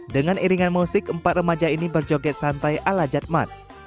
dengan iringan musik empat remaja ini berjoget santai ala jatmat